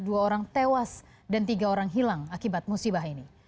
dua orang tewas dan tiga orang hilang akibat musibah ini